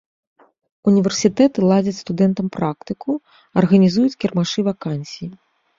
Універсітэты ладзяць студэнтам практыку, арганізуюць кірмашы вакансій.